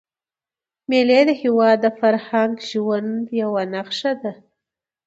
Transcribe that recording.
مېلې د هېواد د فرهنګي ژوند یوه نخښه ده.